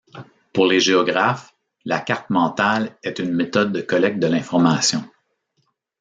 Pour les géographes, la carte mentale est une méthode de collecte de l’information.